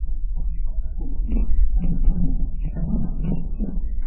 A recording of the award presentation and acceptance is available.